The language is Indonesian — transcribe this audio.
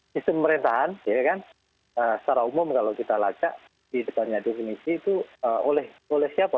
sistem pemerintahan ya kan secara umum kalau kita lacak di depannya definisi itu oleh siapa